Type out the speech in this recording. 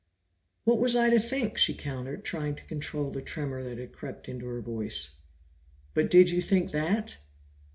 "What was I to think?" she countered, trying to control the tremor that had crept into her voice. "But did you think that?"